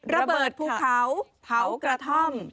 ระเบิดภูเขาเผากระท่อม